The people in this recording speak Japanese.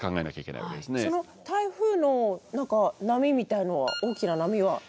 台風の何か波みたいのは大きな波は。